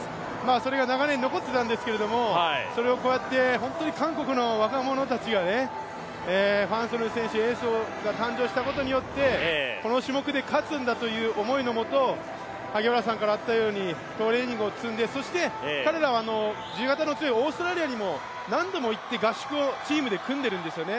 それが長年残ってたんですけどそれをこうやって本当に韓国の若者たちがファン・ソヌ選手エースが誕生したことによってこの種目で勝つんだという思いのもと、トレーニングを積んで、そして彼らは自由形の強いオーストラリアにも何度も行って合宿をチームで組んでるんですよね。